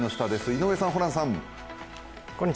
井上さん、ホランさん。